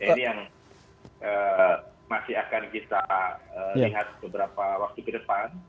jadi yang masih akan kita lihat beberapa waktu ke depan